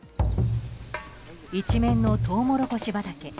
一面のトウモロコシ畑。